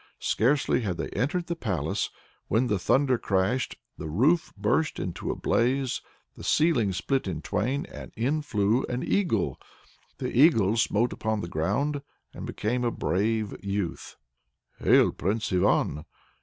Scarcely had they entered the palace, when the thunder crashed, the roof burst into a blaze, the ceiling split in twain, and in flew an eagle. The Eagle smote upon the ground and became a brave youth. "Hail, Prince Ivan!